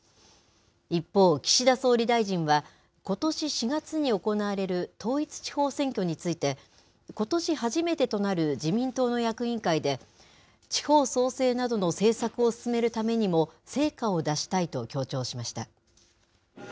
一方、岸田総理大臣は、ことし４月に行われる統一地方選挙について、ことし初めてとなる自民党の役員会で、地方創生などの政策を進めるためにも成果を出したいと強調しました。